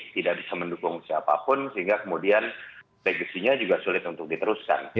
tidak bisa mendukung siapapun sehingga kemudian legasinya juga sulit untuk diteruskan